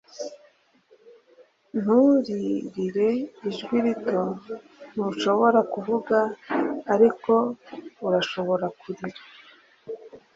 nturirire, ijwi rito, ntushobora kuvuga, ariko urashobora kurira.